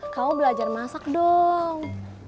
kamu belajar masak dong